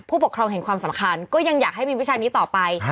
ผู้ปกครองเห็นความสำคัญก็ยังอยากให้มีวิชานี้ต่อไป